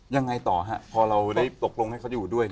ยังไงต่อฮะพอเราได้ตกลงให้เขาอยู่ด้วย